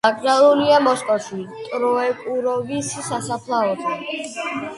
დაკრძალულია მოსკოვში, ტროეკუროვის სასაფლაოზე.